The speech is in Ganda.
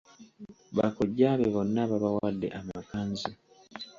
Bakojja be bonna babawadde amakanzu.